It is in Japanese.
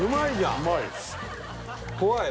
怖い。